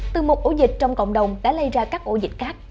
từ một ổ dịch trong cộng đồng đã lây ra các ổ dịch khác